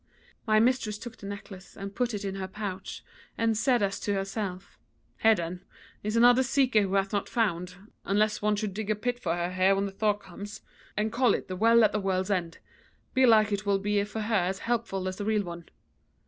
"My mistress took the necklace and put it in her pouch, and said as to herself: 'Here, then, is another seeker who hath not found, unless one should dig a pit for her here when the thaw comes, and call it the Well at the World's End: belike it will be for her as helpful as the real one.'